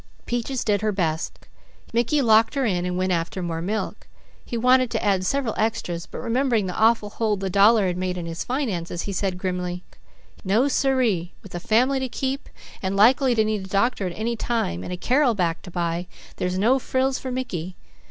Peaches did her best. Mickey locked her in and went after more milk. He wanted to add several extras, but remembering the awful hole the dollar had made in his finances, he said grimly: "No sir ee! With a family to keep, and likely to need a doctor at any time and a Carrel back to buy, there's no frills for Mickey.